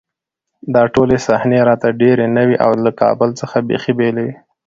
دا ټولې صحنې راته ډېرې نوې او له کابل څخه بېخي بېلې وې